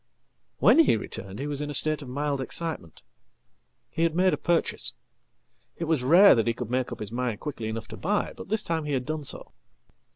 "When he returned he was in a state of mild excitement. He had made apurchase. It was rare that he could make up his mind quickly enough tobuy, but this time he had done so."